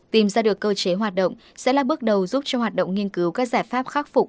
tìm ra được cơ chế hoạt động sẽ là bước đầu giúp cho hoạt động nghiên cứu các giải pháp khắc phục